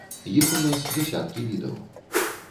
Іх у нас дзясяткі відаў.